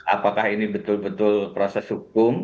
apakah ini betul betul proses hukum